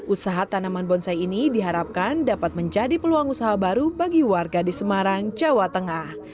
usaha tanaman bonsai ini diharapkan dapat menjadi peluang usaha baru bagi warga di semarang jawa tengah